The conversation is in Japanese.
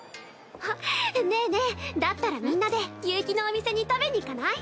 あっねえねえだったらみんなで悠希のお店に食べに行かない？